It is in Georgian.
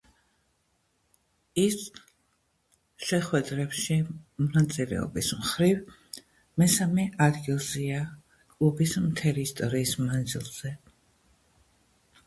ის შეხვედრებში მონაწილეობის მხრივ მესამე ადგილზეა კლუბის მთელი ისტორიის მანძილზე.